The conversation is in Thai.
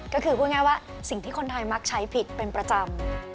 ก็คือพูดง่ายว่าสิ่งที่คนไทยมักใช้ผิดเป็นประจำ